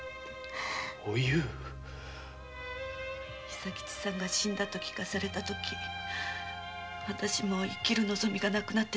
伊佐吉さんが死んだと聞かされた時私はもう生きる望みがなくなってしまって。